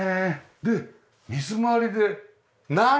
で水回りで何！？